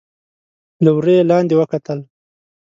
له وره يې لاندې وکتل.